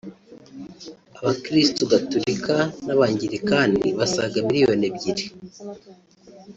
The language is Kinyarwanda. Abakristu Gatolika n’Abangilikani basaga miliyoni ebyiri